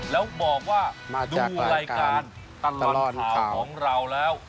แล้วบอกว่าดูรายการตลอดข่าวของเราแล้ว